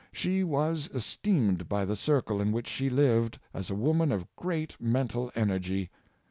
She was esteemed by the circle in which she lived as a woman of great mental energy.